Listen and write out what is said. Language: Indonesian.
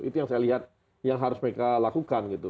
itu yang saya lihat yang harus mereka lakukan gitu